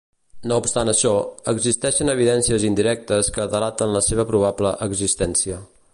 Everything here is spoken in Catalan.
No obstant això, existeixen evidències indirectes que delaten la seva probable existència.